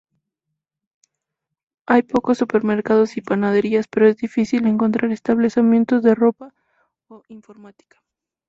Hay pocos supermercados y panaderías, pero es difícil encontrar establecimientos de ropa o informática.